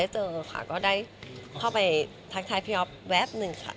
จริงก็แบบ